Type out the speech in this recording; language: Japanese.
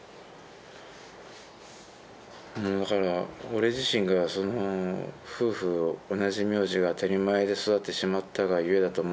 だから俺自身が夫婦同じ名字が当たり前で育ってしまったがゆえだと思うんだけども。